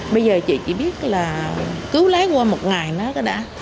bây giờ chị chỉ biết là cứu lấy qua một ngày nó đã